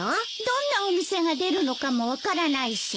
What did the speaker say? どんなお店が出るのかも分からないし。